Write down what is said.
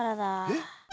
えっ？